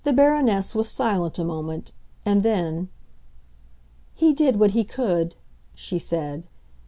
The Baroness was silent a moment, and then, "He did what he could," she said.